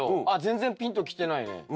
あっ全然ピンときてないね。